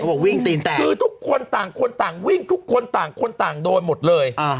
บอกวิ่งตีนแตกคือทุกคนต่างคนต่างวิ่งทุกคนต่างคนต่างโดนหมดเลย